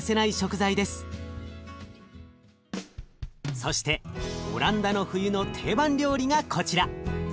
そしてオランダの冬の定番料理がこちら。